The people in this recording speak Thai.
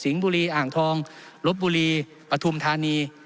บุรีอ่างทองลบบุรีปฐุมธานี